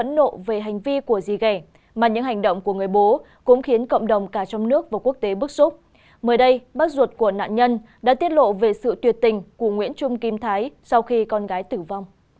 tuyệt tình của nguyễn trung kim thái sau khi con gái tử vong